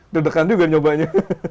tidurkan juga nyobanya